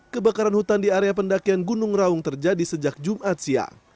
kebakaran hutan di area pendakian gunung raung terjadi sejak jumat siang